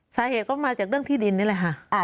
สาเหตุก็มาจากเรื่องที่ดินนี่แหละค่ะ